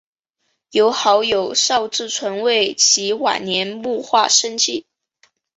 由好友邵志纯为其晚年摹划生计。